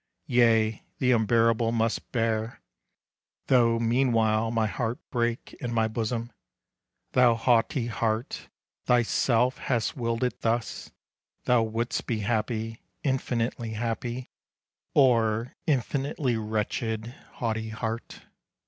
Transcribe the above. Yea, the unbearable must bear, though meanwhile My heart break in my bosom. Thou haughty heart, thyself hast willed it thus, Thou would'st be happy, infinitely happy, Or infinitely wretched, haughty heart!